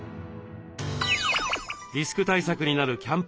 リスク対策になるキャンプ